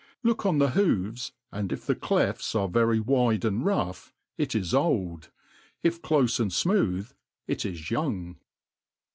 Look on the hoofs, and if the defrs are very wide and rough]^ it is old; if clbfe* and fmooth, it is young.